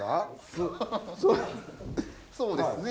そうですね。